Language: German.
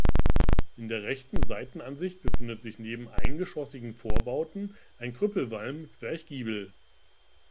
In der rechten Seitenansicht befindet sich neben eingeschossigen Vorbauten ein Krüppelwalm-Zwerchgiebel.